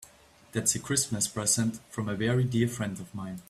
That's a Christmas present from a very dear friend of mine.